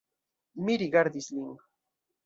Mi rigardis lin.